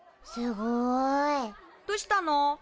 すごい。どしたの？